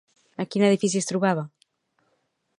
A quin edifici es trobava?